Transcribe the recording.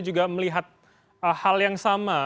juga melihat hal yang sama